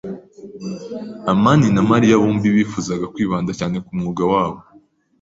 amani na Mariya bombi bifuzaga kwibanda cyane ku mwuga wabo.